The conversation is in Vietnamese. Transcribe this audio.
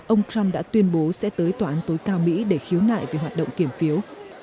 ông trump đã tuyên bố sẽ tới tòa án tối cao mỹ để khiếu nại về hoạt động kiểm phiếu